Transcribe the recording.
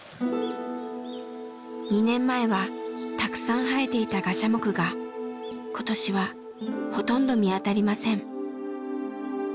２年前はたくさん生えていたガシャモクがことしはほとんど見当たりません。